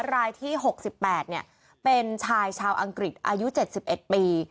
รายที่๖๘เป็นชายชาวอังกฤษอายุ๗๑ปี